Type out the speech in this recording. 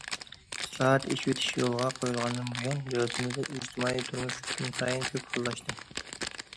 ئىسلاھات، ئېچىۋېتىش يولغا قويۇلغاندىن بۇيان دۆلىتىمىزدە ئىجتىمائىي تۇرمۇش كۈنسايىن كۆپ خىللاشتى.